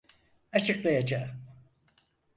Açıklayacağım.